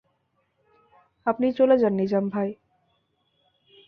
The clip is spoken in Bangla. আপনি চলে যান নিজাম ভাই।